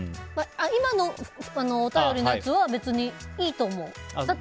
今のお便りのやつは別にいいと思う。